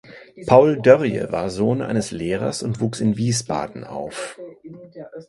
Paul Dörrie war Sohn eines Lehrers und wuchs in Wiesbaden auf.